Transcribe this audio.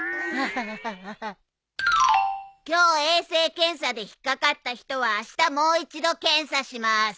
今日衛生検査で引っ掛かった人はあしたもう一度検査します。